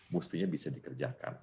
mestinya bisa dikerjakan